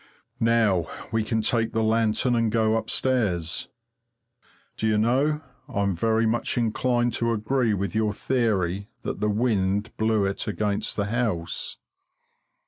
Now we can take the lantern and go upstairs. Do you know? I'm very much inclined to agree with your theory that the wind blew it against the house.